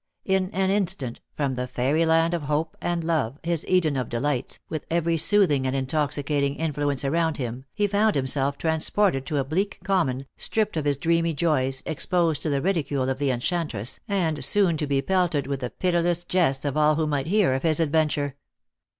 In an instant, from the fairy land of hope and love, his Eden of delights, with every soothing and intoxicating influence around him, he found himself transported to a bleak common, stripped of his dreamy joys, exposed to the ridicule of the enchantress, and soon to be pelted with the piti less jests of all who might hear of his adventure.